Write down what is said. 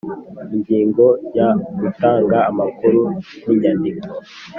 Ingingo ya gutanga amakuru n inyandiko